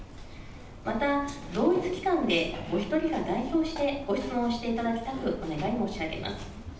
また同一機関でお一人が代表してご質問していただきたくお願い申し上げます。